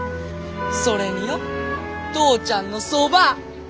それによ父ちゃんのそば！